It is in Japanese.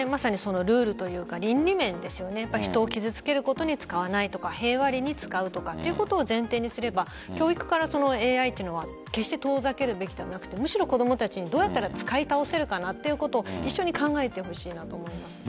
ルールというか人を傷つけることに使わないとかそれを前提にすれば教育からＡＩというのは決して遠ざけるべきではなくむしろ子供たちにどうやったら使い倒せるかなということを一緒に考えてほしいなと思います。